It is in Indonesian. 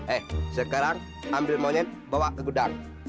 eh sekarang ambil monyet bawa ke gudang